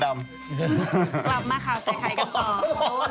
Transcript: กลับมาค่ะใส่ไข่กับของ